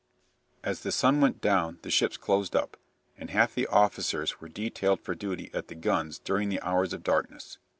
As the sun went down the ships closed up, and half the officers were detailed for duty at the guns during the hours of darkness.